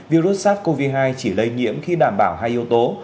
virus sars cov hai chỉ lây nhiễm khi đảm bảo hai yếu tố